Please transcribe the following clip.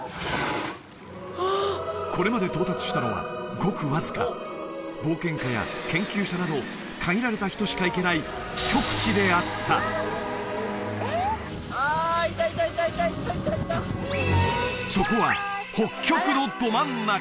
これまで到達したのはごくわずか冒険家や研究者など限られた人しか行けない極地であったそこは北極のど真ん中！